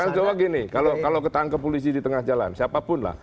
jangan coba gini kalau ketangkep polisi di tengah jalan siapapun lah